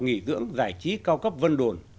nghỉ dưỡng giải trí cao cấp vân đồn